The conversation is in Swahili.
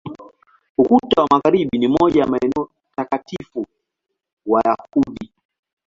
Ukuta wa Magharibi ni moja ya maeneo takatifu Wayahudi.